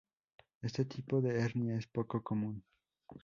Este tipo de hernia es poco común.